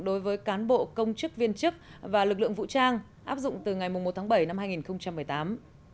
đối với cán bộ công chức viên chức và lực lượng vũ trang áp dụng từ ngày một tháng bảy năm hai nghìn một mươi tám